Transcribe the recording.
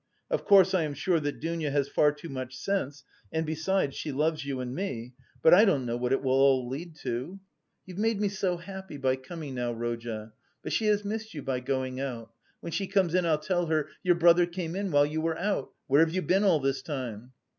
Of course, I am sure that Dounia has far too much sense, and besides she loves you and me... but I don't know what it will all lead to. You've made me so happy by coming now, Rodya, but she has missed you by going out; when she comes in I'll tell her: 'Your brother came in while you were out. Where have you been all this time?